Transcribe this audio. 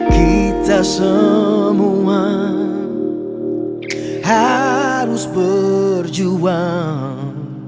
kita semua harus berjuang